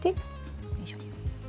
よいしょ。